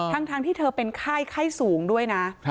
ทั้งที่เธอเป็นไข้สูงด้วยนะ